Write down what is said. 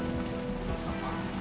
itu apa sih